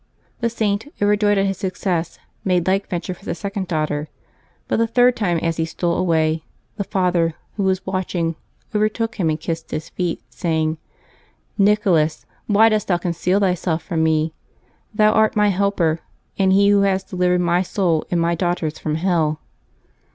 The Saint, overjoyed at his success, made like venture for the second daughter; but the third time as he stole away, the father, who was watching, overtook him and kissed his feet, saying :" Nicholas, why dost thou conceal thyself from me? Thou art my helper, and he who has delivered my soul and my daughters' from hell."